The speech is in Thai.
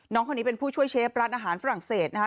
น้องคนนี้เป็นผู้ช่วยเชฟร้านอาหารฝรั่งเศสนะคะ